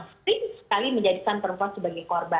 sering sekali menjadikan perempuan sebagai korban